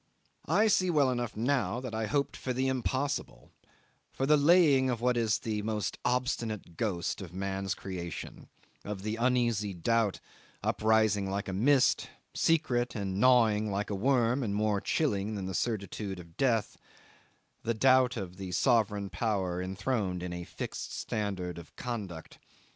I see well enough now that I hoped for the impossible for the laying of what is the most obstinate ghost of man's creation, of the uneasy doubt uprising like a mist, secret and gnawing like a worm, and more chilling than the certitude of death the doubt of the sovereign power enthroned in a fixed standard of conduct.